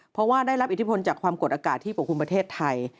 เพราะว่าได้รับอิทธิพลจากความกดอากาศที่ปกครุมประเทศไทย